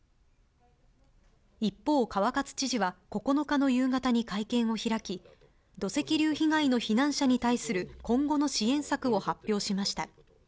一方、川勝知事は９日の夕方に会見を開き、土石流避難の被害者に対する今後の支援策を発表しました。